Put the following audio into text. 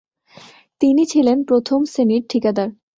তিনি ছিলে প্রথম শ্রেণীর ঠিকাদার।